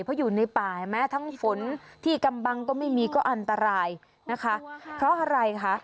เพราะอยู่ในป่าแม้ทั้งฝนที่กำบังก็ไม่มีก็อันตรายนะคะเพราะอะไรคะ